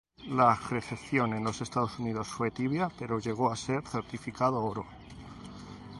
La recepción en los Estados Unidos fue tibia pero llegó a ser certificado oro.